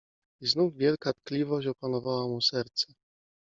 I znów wielka tkliwość opanowała mu serce.